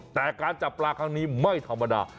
แต่การจับปลาครั้งนี้ไม่ธรรมดา